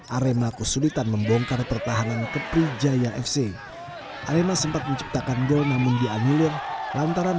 arema kesulitan membongkar pertahanan ke prijaya fc arena sempat menciptakan gel namun dianjur lantaran